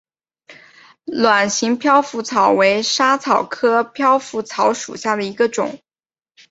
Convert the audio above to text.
卵形飘拂草为莎草科飘拂草属下的一个种。